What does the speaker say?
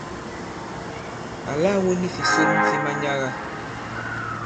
Àla wu ni fìson fi manyaga.